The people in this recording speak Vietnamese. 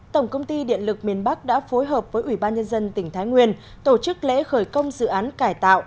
tổng công ty điện lực miền bắc đã phối hợp với ủy ban nhân dân tỉnh thái nguyên tổ chức lễ khởi công dự án cải tạo